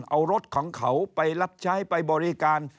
เอารถของเขาไปรับใช้ไปบริการ